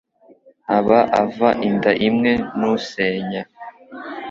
aba ava inda imwe n’usenya